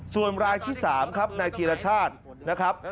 ส่วนรายที่๓ครับนายธีรชาตินะครับ